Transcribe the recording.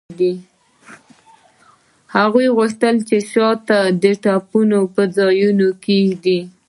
هغوی غوښتل چې شات د ټپونو په ځایونو کیږدي